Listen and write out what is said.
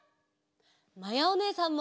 まやおねえさんも！